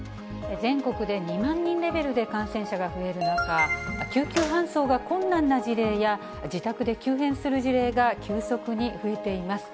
全国で２万人レベルで感染者が増える中、救急搬送が困難な事例や、自宅で急変する事例が急速に増えています。